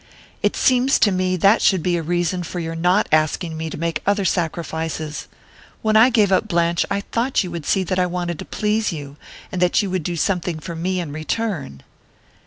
"It seems to me that should be a reason for your not asking me to make other sacrifices! When I gave up Blanche I thought you would see that I wanted to please you and that you would do something for me in return...."